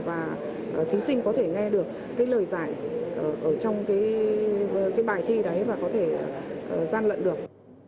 và thí sinh có thể nghe được cái lời giải ở trong cái bài thi đấy và có thể gian lận được